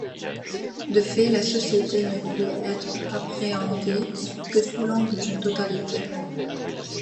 De fait, la société ne peut être appréhendée que sous l'angle d'une totalité.